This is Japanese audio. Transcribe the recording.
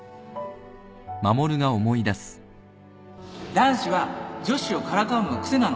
男子は女子をからかうのが癖なの